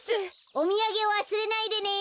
おみやげわすれないでね！